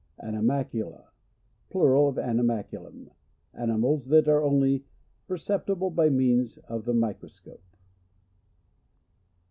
Animalcula. — Plural of aninialcu lum — animals that are only per ceptible by means of the micro scope.